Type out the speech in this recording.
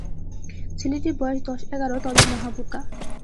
ছেলেটির বয়স দশ-এগার, তবে মহাবোকা।